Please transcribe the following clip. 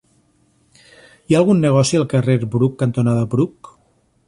Hi ha algun negoci al carrer Bruc cantonada Bruc?